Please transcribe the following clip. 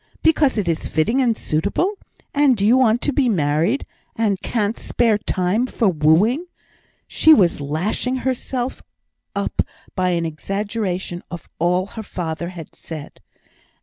because it is fitting and suitable, and you want to be married, and can't spare time for wooing" (she was lashing herself up by an exaggeration of all her father had said).